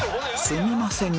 すみません。